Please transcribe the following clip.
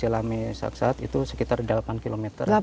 cilame saksat itu sekitar delapan kilometer